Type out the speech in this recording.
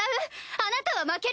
あなたは負ける！